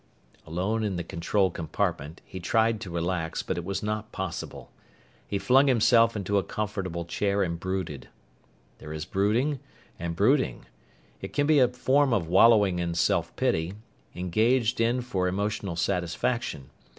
Alone in the control compartment, he tried to relax, but it was not possible. He flung himself into a comfortable chair and brooded. There is brooding and brooding. It can be a form of wallowing in self pity, engaged in for emotional satisfaction.